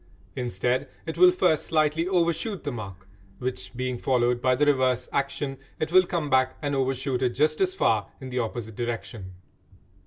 Instead, it will first slightly overshoot the mark, which being followed by the reverse action, it will come back and overshoot it just as far in the opposite direction.